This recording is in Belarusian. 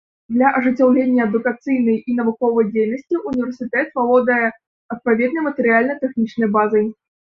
Для ажыццяўлення адукацыйнай і навуковай дзейнасці ўніверсітэт валодае адпаведнай матэрыяльна-тэхнічнай базай.